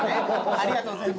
ありがとうございます。